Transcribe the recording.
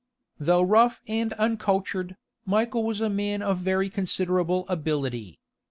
Though rough and uncultured, Michael was a man of very considerable ability.